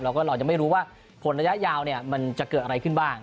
แล้วก็เรายังไม่รู้ว่าผลระยะยาวมันจะเกิดอะไรขึ้นบ้าง